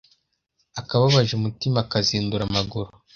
akababaje umutima kazindura amaguru,